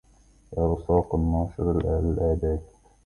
يا لساق ناشر للأدب